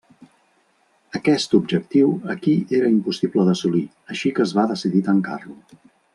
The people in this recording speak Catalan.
Aquest objectiu aquí era impossible d’assolir així que es va decidir tancar-lo.